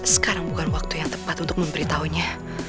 sekarang bukan waktu yang tepat untuk memberitahunya